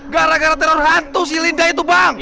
gara gara teror hantu si linda itu bang